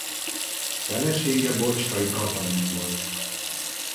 Felesége Bocskai Katalin volt.